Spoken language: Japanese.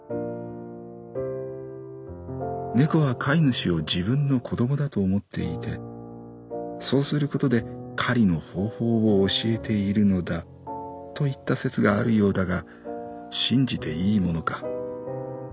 「猫は飼い主を自分の子供だと思っていてそうすることで狩りの方法を教えているのだといった説があるようだが信じていいものか。